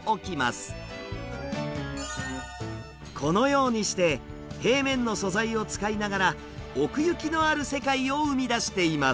このようにして平面の素材を使いながら奥行きのある世界を生み出しています。